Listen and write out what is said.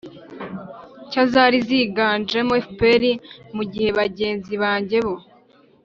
nshya zari ziganjemo fpr, mu gihe bagenzi banjye bo